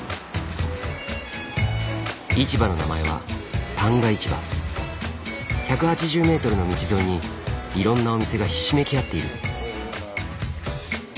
市場の名前は１８０メートルの道沿いにいろんなお店がひしめき合っている。